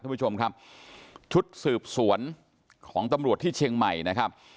คุณผู้ชมครับชุดสืบสวนของตำรวจที่เชียงใหม่นะครับ